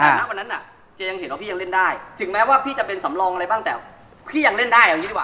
แต่ณวันนั้นน่ะเจ๊ยังเห็นว่าพี่ยังเล่นได้ถึงแม้ว่าพี่จะเป็นสำรองอะไรบ้างแต่พี่ยังเล่นได้เอาอย่างนี้ดีกว่า